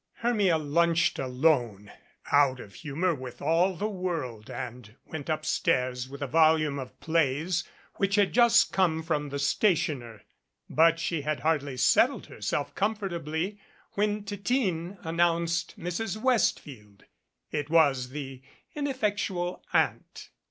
21 MADCAP Hermia lunched alone out of humor with all the world and went upstairs with a volume of plays which had just come from the stationer. But she had hardly settled herself comfortably when Titine announced Mrs. Westfield. It was the ineffectual Aunt.